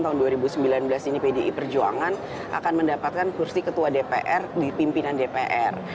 tahun dua ribu sembilan belas ini pdi perjuangan akan mendapatkan kursi ketua dpr di pimpinan dpr